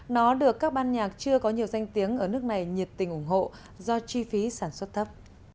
nó được các ban nhạc chưa có nhiều danh tiếng ở nước này nhiệt tình ủng hộ do chi phí sản xuất thấp